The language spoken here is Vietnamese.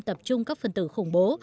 tập trung các phần tử khủng bố